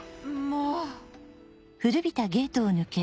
もう。